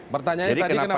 pertanyaan tadi kenapa